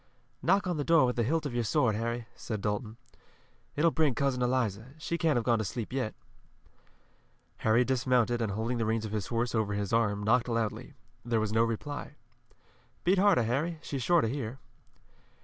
"Knock on the door with the hilt of your sword, Harry," said Dalton. "It will bring Cousin Eliza. She can't have gone to sleep yet." Harry dismounted and holding the reins of his horse over his arm, knocked loudly. There was no reply. "Beat harder, Harry. She's sure to hear."